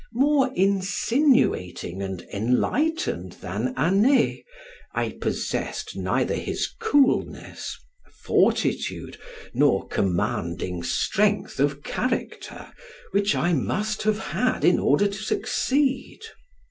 More insinuating and enlightened than Anet, I possessed neither his coolness, fortitude, nor commanding strength of character, which I must have had in order to succeed.